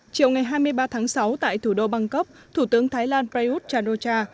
chiều ngày hai mươi ba tháng sáu tại thủ đô bangkok thủ tướng thái lan prayuth chan o cha